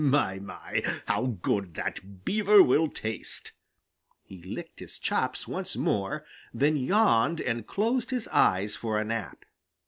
My, my, how good that Beaver will taste!" He licked his chops once more, then yawned and closed his eyes for a nap.